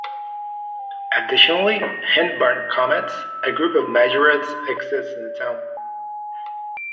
Additionally, "Hyndburn Comets", a group of majorettes, exists in the town.